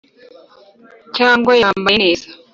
cyangwa yambaye neza